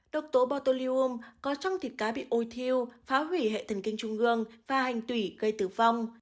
độc tố botulium có trong thịt cá bị ôi thiêu phá hủy hệ thần kinh trung gương và hành tủy gây tử vong